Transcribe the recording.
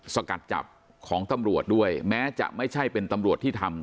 สกัดจับของตำรวจด้วยแม้จะไม่ใช่เป็นตำรวจที่ทำ